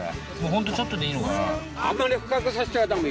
ホントちょっとでいいのかな？